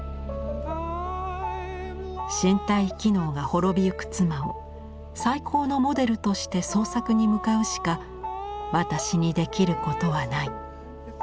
「身体機能が滅びゆく妻を『最高のモデル』として創作に向かうしか私に出来ることはない」。